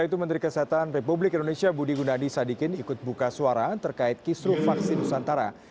itu menteri kesehatan republik indonesia budi gunadi sadikin ikut buka suara terkait kisru vaksin nusantara